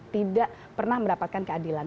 tidak pernah mendapatkan keadilan